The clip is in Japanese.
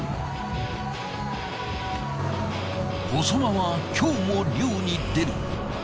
細間は今日も漁に出る。